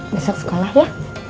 besok sekolah ya